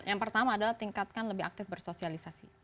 yang pertama adalah tingkatkan lebih aktif bersosialisasi